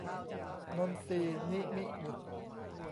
นนทรีย์ นิมิบุตร